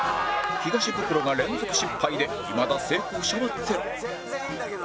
東ブクロが連続失敗でいまだ成功者はゼロ